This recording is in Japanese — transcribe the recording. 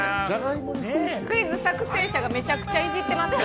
クイズ作成者がめちゃくちゃイジってます。